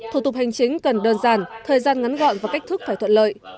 thủ tục hành chính cần đơn giản thời gian ngắn gọn và cách thức phải thuận lợi